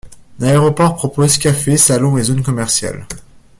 L'aéroport propose cafés, salons et zones commerciales.